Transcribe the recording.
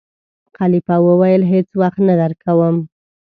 خلیفه وویل: هېڅ وخت نه درکووم.